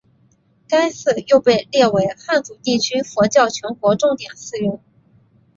该寺又被列为汉族地区佛教全国重点寺院。